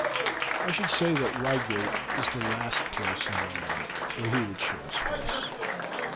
I should say that Reigate is the last place in the world where he would show his face."